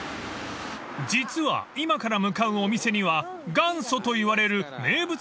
［実は今から向かうお店には元祖といわれる名物料理があるんです］